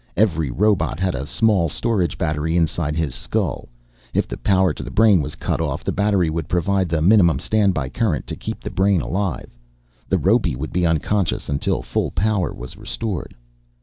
Every robot had a small storage battery inside his skull, if the power to the brain was cut off the battery would provide the minimum standby current to keep the brain alive. The robe would be unconscious until full power was restored.